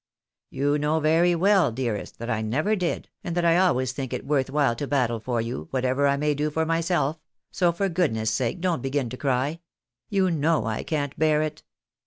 You know very well, dearest, that I never did, and that I always think it worth while to battle for you, whatever I may do for myself, so for goodness' sake don't begin to cry. You know I can't bear it."